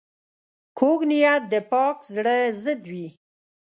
کوږ نیت د پاک زړه ضد وي